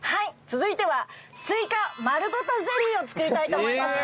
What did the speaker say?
続いてはスイカ丸ごとゼリーを作りたいと思います！